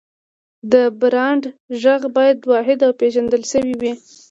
د برانډ غږ باید واحد او پېژندل شوی وي.